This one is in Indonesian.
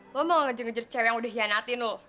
lo mau ngejir ngejir cewek yang udah hianatin lo